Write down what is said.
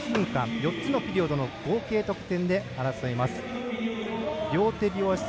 ４つのピリオドの合計得点で争います。